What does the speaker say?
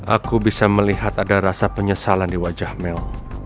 aku bisa melihat ada rasa penyesalan di wajah mel